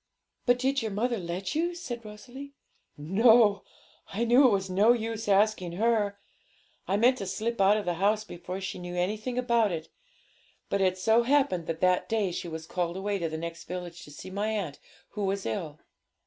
'But did your mother let you?' said Rosalie. 'No; I knew it was no use asking her. I meant to slip out of the house before she knew anything about it; but it so happened that that day she was called away to the next village to see my aunt, who was ill.'